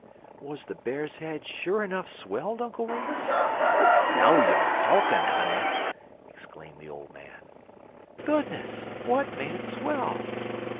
"Was the Bear's head sure enough swelled, Uncle Remus?" "Now you talkin', honey!" exclaimed the old man. "Goodness! what made it swell?"